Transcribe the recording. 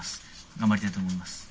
頑張りたいと思います。